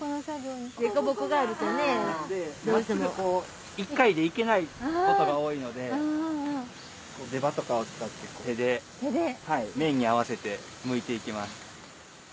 真っすぐ１回でいけないことが多いので出刃とかを使って手で面に合わせてむいていきます。